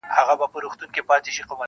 • هی کوه یې لکه ډلي د اوزگړو -